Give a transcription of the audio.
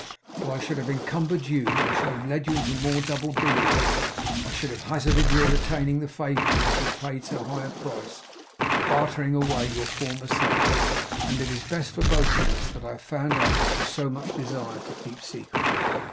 But I should have encumbered you; I should have led you into more double dealing; I should have hazarded your retaining the favour for which you have paid so high a price, bartering away your former self; and it is best for both of us that I have found out what you so much desired to keep secret.